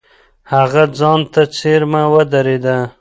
هغه ځان ته څېرمه ودرېد.